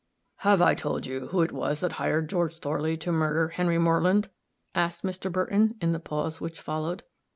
"Have I told you who it was that hired George Thorley to murder Henry Moreland?" asked Mr. Burton, in the pause which followed.